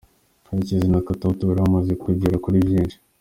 Karekezi na Katauti bari bamaze kugera kuri byinshi.